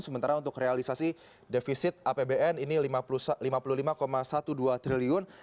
sementara untuk realisasi defisit apbn ini rp lima puluh lima dua belas triliun